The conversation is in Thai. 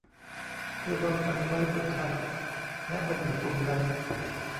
เธอวางมันไว้บนชั้นและมันอยู่ตรงนั้น